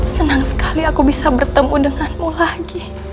senang sekali aku bisa bertemu denganmu lagi